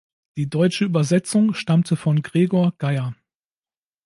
Die deutsche Übersetzung stammte von Gregor Geijer.